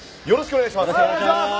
よろしくお願いします！